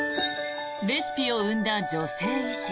レシピを生んだ女性医師。